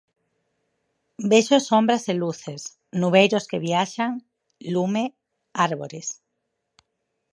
Vexo sombras e luces, nubeiros que viaxan, lume, árbores.